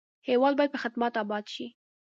هېواد باید په خدمت اباد شي.